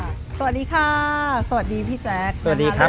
สวัสดีค่ะสวัสดีพี่แจ็คสวัสดีครับผม